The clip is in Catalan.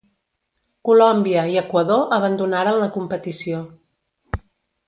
Colòmbia, i Equador abandonaren la competició.